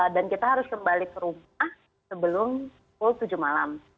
dan kita harus kembali ke rumah sebelum pukul tujuh malam